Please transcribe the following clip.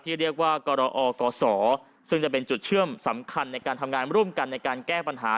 เรียกว่ากรออกศซึ่งจะเป็นจุดเชื่อมสำคัญในการทำงานร่วมกันในการแก้ปัญหา